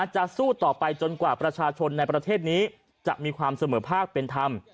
จะสู้ต่อไปจนกว่าประชาชนในประเทศนี้จะมีความเสมอภาคเป็นธรรม